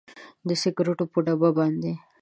د سګریټو پر ډبه باندې